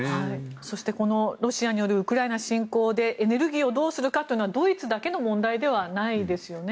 そしてロシアによるウクライナ侵攻でエネルギーをどうするかというのはドイツだけの問題じゃないですよね。